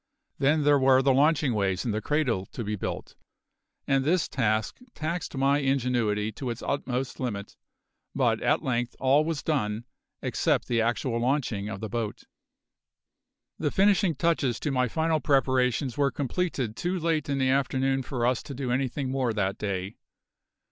Then there were the launching ways and the cradle to be built; and this task taxed my ingenuity to its utmost limit; but at length all was done, except the actual launching of the boat. The finishing touches to my final preparations were completed too late in the afternoon for us to do anything more that day.